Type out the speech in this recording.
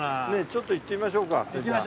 ちょっと行ってみましょうかそれじゃあ。